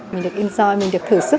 mình được enjoy mình được thử sức